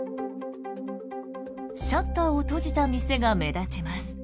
シャッターを閉じた店が目立ちます。